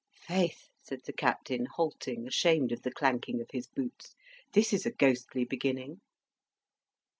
"Faith," said the Captain halting, ashamed of the clanking of his boots, "this is a ghostly beginning!"